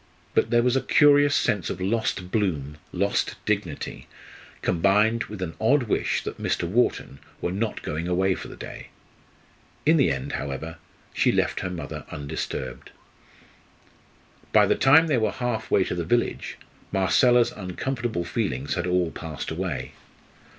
But there was a curious sense of lost bloom, lost dignity, combined with an odd wish that Mr. Wharton were not going away for the day. In the end, however, she left her mother undisturbed. By the time they were half way to the village, Marcella's uncomfortable feelings had all passed away.